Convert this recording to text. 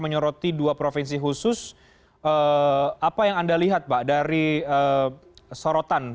menyoroti dua provinsi khusus apa yang anda lihat pak dari sorotan